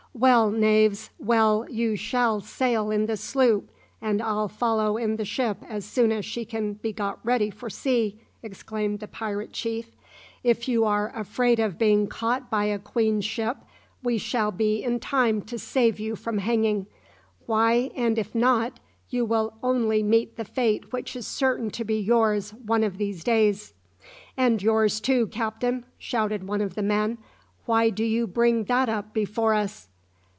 "Well, knaves, well, you shall sail in the sloop, and I'll follow in the ship as soon as she can be got ready for sea," exclaimed the pirate chief. "If you are afraid of being caught by a queen's ship, we shall be in time to save you from hanging; why, and if not, you will only meet the fate which is certain to be yours one of these days!" "And yours too, captain!" shouted one of the men. "Why do you bring that up before us?"